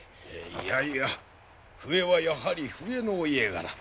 いやいや笛はやはり笛のお家柄。